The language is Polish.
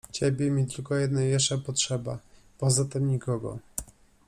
Ciebie mi tylko jednej jeszcze potrzeba, poza tym nikogo!